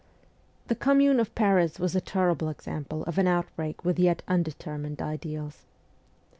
The Commune of Paris was a terrible example of an outbreak with yet undetermined ideals.